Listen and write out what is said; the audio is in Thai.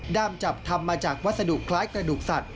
จับทำมาจากวัสดุคล้ายกระดูกสัตว